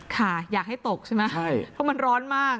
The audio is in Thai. ค่ะอยากให้ตกใช่ไหมใช่เพราะมันร้อนมาก